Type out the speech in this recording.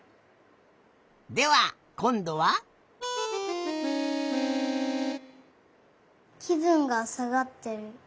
ではこんどは。きぶんがさがってる。